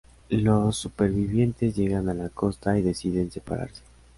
Los supervivientes llegan a la costa, y deciden separarse.